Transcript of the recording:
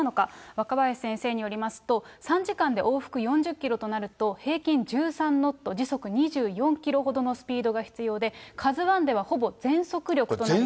若林先生によりますと、３時間で往復４０キロとなると、平均１３ノット、時速２４キロほどのスピードが必要で、カズワンではほぼ全速力となる。